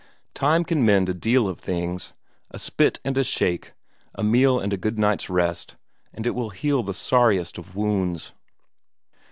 Time can mend a deal of things; a spit and a shake, a meal and a good night's rest, and it will heal the sorriest of wounds.